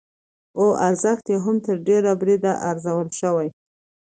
او ارزښت يې هم تر ډېره بريده ارزول شوى،